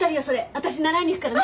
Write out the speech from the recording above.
私習いに行くからね。